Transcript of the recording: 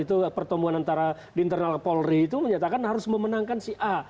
itu pertemuan antara di internal polri itu menyatakan harus memenangkan si a